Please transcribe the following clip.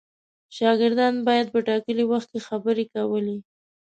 شاګردان باید په ټاکلي وخت کې خبرې کولې.